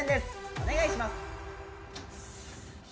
お願いします。